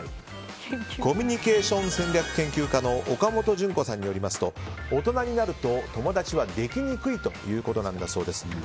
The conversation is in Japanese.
コミュニケーション戦略研究家の岡本純子さんによりますと大人になると友達はできにくいんだそうです。